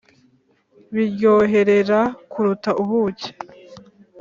Biryoherera kuruta ubuki